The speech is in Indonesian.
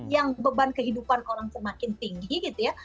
yang beban kehidupan orang semakin tinggi gitu ya